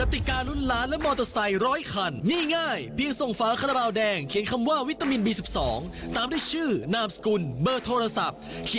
ทุกวันในรายการตลอดข่าวเวลา๙นาทีกลับ๓๐นาที